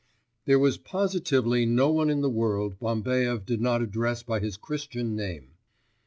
There was positively no one in the world Bambaev did not address by his Christian name.